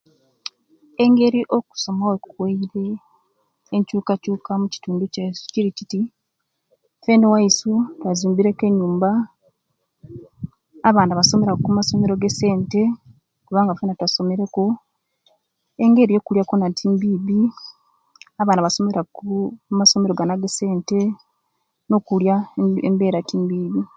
Engeri okusoma owekuwere enkyukakyuka mukitundu kyaisu kiri kiti fena owaisu bazimbire ku enyumba abaana basomera kumasomero gesente kubanga fena twasomere ku nengeri yokulya yona timbibi abaana basomera ku kumasomero gano gesente nokulya embera timbibi